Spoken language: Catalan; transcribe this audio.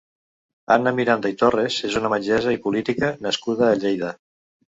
Anna Miranda i Torres és una metgessa i política nascuda a Lleida.